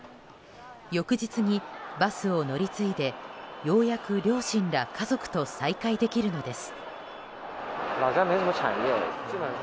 翌日にバスを乗り継いでようやく両親ら家族と再会できるのです。